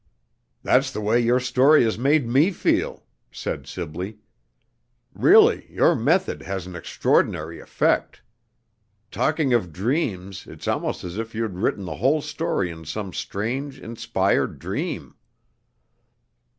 "That's the way your story has made me feel," said Sibley. "Really, your method has an extraordinary effect. Talking of dreams, it's almost as if you'd written the whole story in some strange, inspired dream."